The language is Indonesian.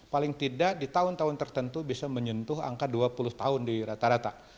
paling tidak di tahun tahun tertentu bisa menyentuh angka dua puluh tahun di rata rata